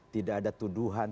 tidak ada tuduhan